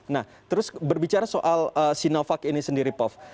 nah terus berbicara soal sinovac ini sendiri prof